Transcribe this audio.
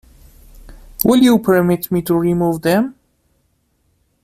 Will you permit me to remove them?